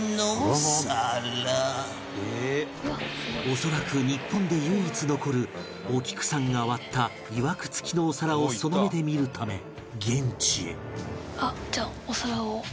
恐らく日本で唯一残るお菊さんが割ったいわくつきのお皿をその目で見るため現地へ